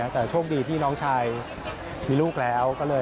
แต่โชคดีที่น้องชายมีลูกแล้ว